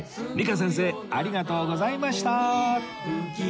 ＮＩＫＡ 先生ありがとうございました